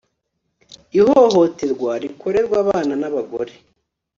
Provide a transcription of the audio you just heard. ihohoterwa rikorerwa abana n'abagore